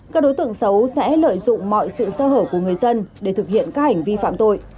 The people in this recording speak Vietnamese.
các đối tượng xấu sẽ lợi dụng mọi sự sơ hở của người dân để thực hiện các hành vi phạm tội